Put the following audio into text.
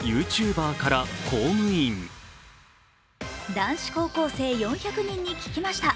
男子高校生４００人に聞きました。